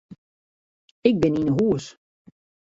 Ik bin yn 'e hûs.